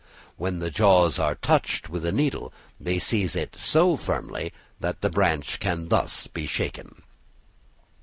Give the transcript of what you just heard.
When the jaws are touched with a needle they seize it so firmly that the branch can thus be shaken.